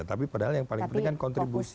tapi padahal yang paling penting kan kontribusi